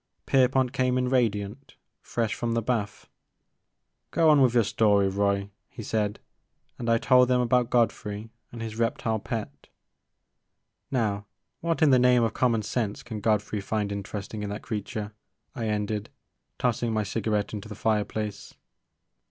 Pierpont came in radiant, fresh from the bath. Go on with your story, Roy,'* he said ; and I told them about Godfrey and his reptile pet. *' Now what in the name of common sense can Godfrey find interesting in that creature? I ended, tossing my cigarette into the fireplace.